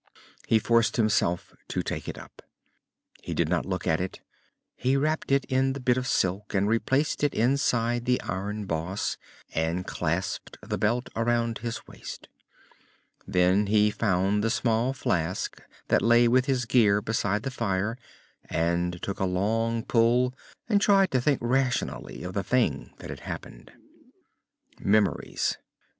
He forced himself to take it up. He did not look at it. He wrapped it in the bit of silk and replaced it inside the iron boss, and clasped the belt around his waist. Then he found the small flask that lay with his gear beside the fire and took a long pull, and tried to think rationally of the thing that had happened. Memories.